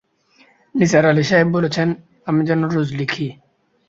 নিসার আলি সাহেব বলেছেন, আমি যেন রোজ লিখি।